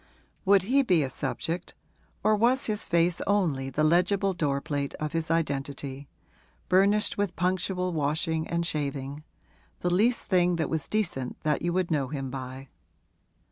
Would he be a subject, or was his face only the legible door plate of his identity, burnished with punctual washing and shaving the least thing that was decent that you would know him by?